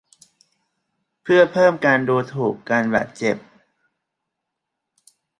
เพื่อเพิ่มการดูถูกการบาดเจ็บ